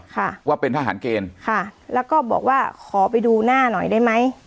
ค่ะว่าเป็นทหารเกณฑ์ค่ะแล้วก็บอกว่าขอไปดูหน้าหน่อยได้ไหม